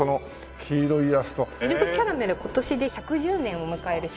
ミルクキャラメル今年で１１０年を迎える商品で。